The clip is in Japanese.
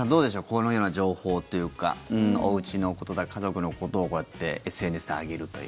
このような情報というかおうちのこと、家族のことをこうやってＳＮＳで上げると。